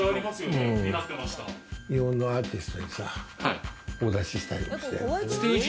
日本のアーティストにさ、お出ししたりしたよ。